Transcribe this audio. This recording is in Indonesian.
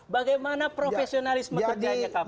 bagaimana profesionalisme kerjanya kpu